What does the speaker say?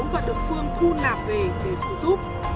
và được phương thu nạp về để phụ giúp